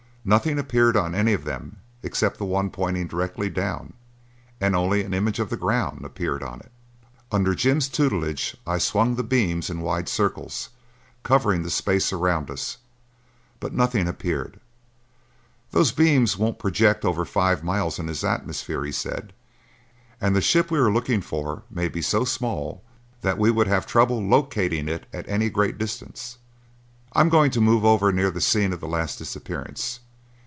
Nothing appeared on any of them except the one pointing directly down, and only an image of the ground, appeared on it. Under Jim's tutelage I swung the beams in wide circles, covering the space around us, but nothing appeared. "Those beams won't project over five miles in this atmosphere," he said, "and the ship we are looking for may be so small that we would have trouble locating it at any great distance. I am going to move over near the scene of the last disappearance.